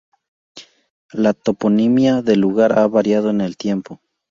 La toponimia del lugar ha variado en el tiempo.